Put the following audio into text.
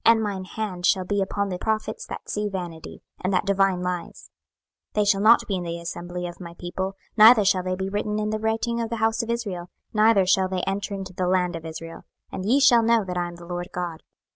26:013:009 And mine hand shall be upon the prophets that see vanity, and that divine lies: they shall not be in the assembly of my people, neither shall they be written in the writing of the house of Israel, neither shall they enter into the land of Israel; and ye shall know that I am the Lord GOD.